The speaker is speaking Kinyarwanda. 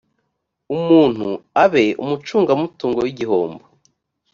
umuntu abe umucungamutungo w igihombo